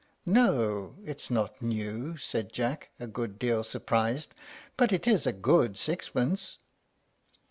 "No, it's not new," said Jack, a good deal surprised, "but it is a good sixpence."